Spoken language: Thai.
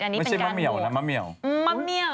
อันนี้เป็นการโบสถ์ไม่ใช่มะเมี๋วนะมะเมี๋ว